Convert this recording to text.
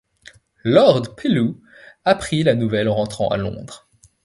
Lord Pellew apprit la nouvelle en rentrant à Londres.